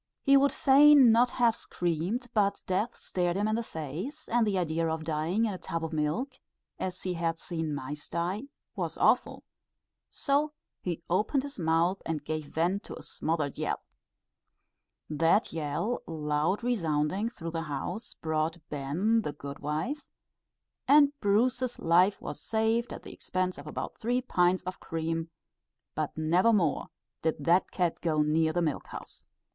He would fain not have screamed, but death stared him in the face, and the idea of dying in a tub of milk, as he had seen mice die, was awful; so he opened his mouth and gave vent to a smothered yell. That yell, loud resounding through the house, brought "ben" the good wife, and Bruce's life was saved at the expense of about three pints of cream; but never more did that cat go near the milk house.